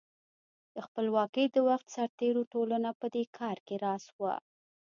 د خپلواکۍ د وخت سرتېرو ټولنه په دې کار کې راس وه.